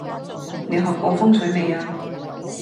你學過風水未呀？